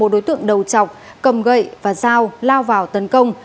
một đối tượng đầu chọc cầm gậy và dao lao vào tấn công